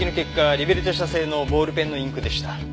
リベルテ社製のボールペンのインクでした。